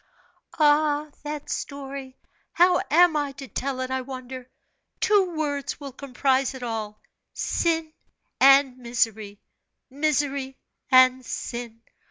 "Ah, that story! How am I to tell it, I wonder, two words will comprise it all sin and misery misery and sin!